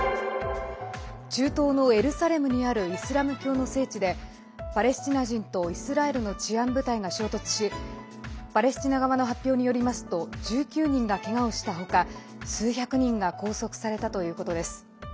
中東のエルサレムにあるイスラム教の聖地でパレスチナ人とイスラエルの治安部隊が衝突しパレスチナ側の発表によりますと１９人がけがをした他数百人が拘束されたということです。